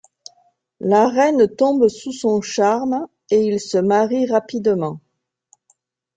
La reine tombe sous son charme et ils se marient rapidement.